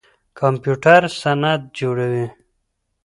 کمپيوټر سند جوړوي.